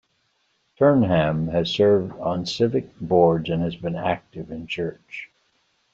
Turnham has served on civic boards and has been active in church.